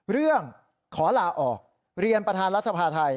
เรื่องขอลาออกเรียนประธานรัฐสภาไทย